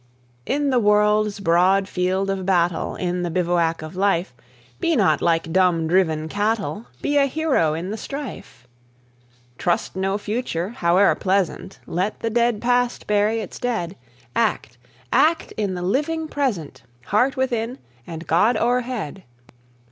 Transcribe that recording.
In the world's broad field of battle, In the bivouac of Life, Be not like dumb, driven cattle! Be a hero in the strife! Trust no Future, howe'er pleasant! Let the dead Past bury its dead! Act, act in the living Present! Heart within, and God o'erhead!